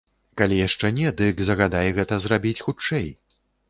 Калі яшчэ не, дык загадай гэта зрабіць хутчэй.